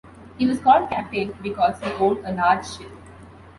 He was called "Captain" because he owned a large ship.